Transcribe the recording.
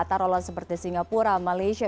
tarolah seperti singapura malaysia